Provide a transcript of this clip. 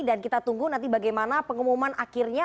dan kita tunggu nanti bagaimana pengumuman akhirnya